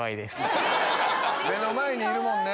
目の前にいるもんね。